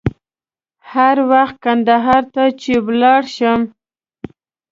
هر وخت کندهار ته چې ولاړ شم.